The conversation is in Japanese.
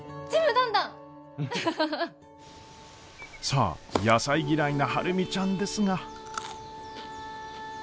さあ野菜嫌いな晴海ちゃんですが。